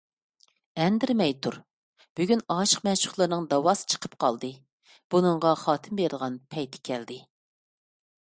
ئەندىرىمەي تۇر! بۈگۈن ئاشىق - مەشۇقلارنىڭ دەۋاسى چىقىپ قالدى، بۇنىڭغا خاتىمە بېرىدىغان پەيتى كەلدى.